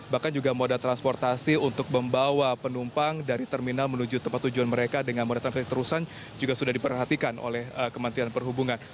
bahkan juga moda transportasi untuk membawa penumpang dari terminal menuju tempat tujuan mereka dengan moda transportasi terusan juga sudah diperhatikan oleh kementerian perhubungan